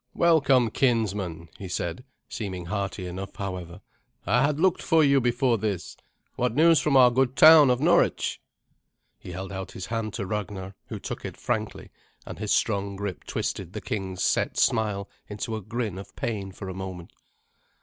"Welcome, kinsman," he said, seeming hearty enough, however; "I had looked for you before this. What news from our good town of Norwich?" He held out his hand to Ragnar, who took it frankly, and his strong grip twisted the king's set smile into a grin of pain for a moment.